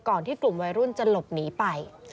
ที่กลุ่มวัยรุ่นจะหลบหนีไป